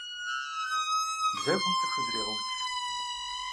Бзэгум цӀыхур зэрегъэукӀ.